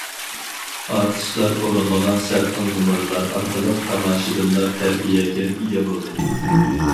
ئارتىسلار ئورۇنلىغان سەرخىل نومۇرلار ئارقىلىق، تاماشىبىنلار تەربىيەگە ئىگە بولدى.